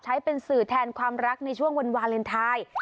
ใช้เป็นสื่อแทนความรักในช่วงวันวาเลนไทย